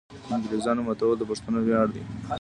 د انګریزامو ماتول د پښتنو ویاړ دی.